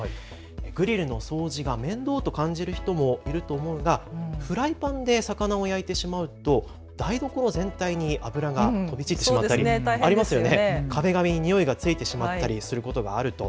グリルの掃除が面倒と感じる人もいると思うがフライパンで魚を焼いてしまうと台所全体に脂が飛び散ってしまったり壁紙に臭いがついてしまったりすることがあると。